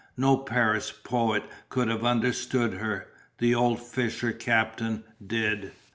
No Paris poet could have understood her. The old fisher captain did.